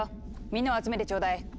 みんなを集めてちょうだい！